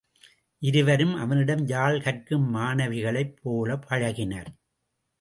இருவரும் அவனிடம் யாழ் கற்கும் மாணவிகளைப் போலப் பழகினர்.